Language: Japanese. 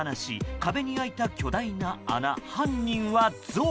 壁に開いた巨大な穴犯人はゾウ。